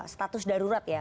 status darurat ya